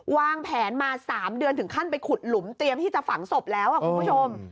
วางแผนมา๓เดือนถึงขั้นไปขุดหลุมเตรียมที่จะฝังศพแล้วคุณผู้ชม